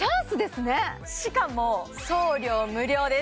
しかも送料無料です